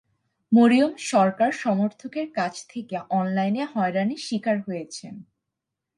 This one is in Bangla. মরিয়ম সরকার সমর্থকদের কাছ থেকে অনলাইনে হয়রানির শিকার হয়েছেন।